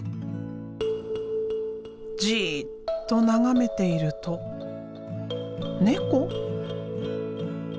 じっと眺めていると猫？